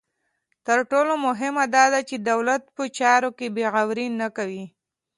تر ټولو مهمه دا ده چې دولت په چارو کې بې غوري نه کوي.